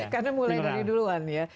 karena mulai dari duluan ya